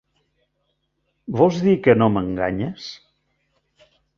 Vols dir que no m'enganyes?